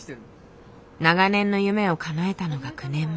長年の夢をかなえたのが９年前。